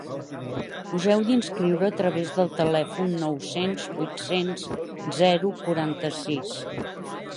Us heu d'inscriure a través del telèfon nou-cents vuit-cents zero quaranta-sis